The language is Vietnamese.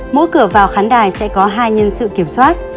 mỗi cửa vào khán đài sẽ có hai nhân sự kiểm soát